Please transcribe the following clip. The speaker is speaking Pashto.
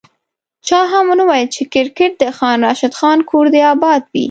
چا هم ونه ویل چي کرکیټ د خان راشد خان کور دي اباد وي